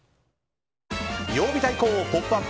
曜日対抗「ポップＵＰ！」